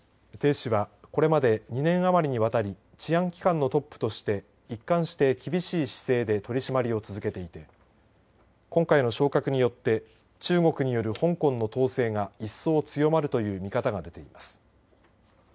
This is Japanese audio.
鄭氏は、これまで２年余りにわたり治安機関のトップとして一貫して厳しい姿勢で取締りを続けていて今回の昇格によって中国による香港の統制が一層強まるという見方が出ています。